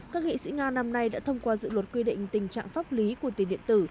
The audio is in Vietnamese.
các nghị sĩ nga năm nay đã thông qua dự luật quy định tình trạng pháp lý của tiền điện tử